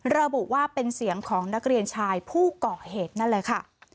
ระบุว่าเป็นเสียงของนักเรียนชายผู้ก่อเหตุนั่นแหละค่ะ